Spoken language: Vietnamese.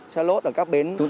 xe lốt ở các bến